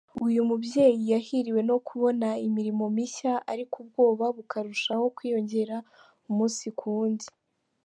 Uyu mubyeyi yahiriwe no kubona imirimo mishya ariko ubwoba bukarushaho kwiyongera umunsi ku wundi.